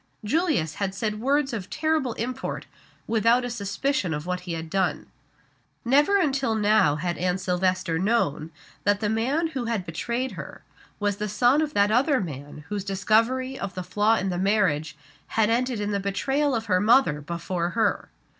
Julius had said words of terrible import without a suspicion of what he had done. Never until now had Anne Silvester known that the man who had betrayed her was the son of that other man whose discovery of the flaw in the marriage had ended in the betrayal of her mother before her.